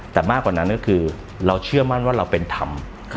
แต่มากกว่านั้นก็คือเราเชื่อมั่นว่าเราเป็นธรรม